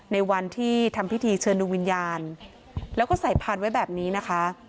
ในวันที่ทำพิธีเชิญดวงวิญญาณแล้วก็ใส่พานไว้แบบนี้นะคะ